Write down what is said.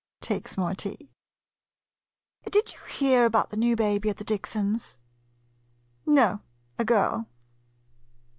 [Takes more tea.] Did you hear about the new baby at the Dickson's ? No — a girl.